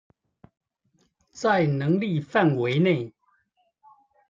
在能力範圍內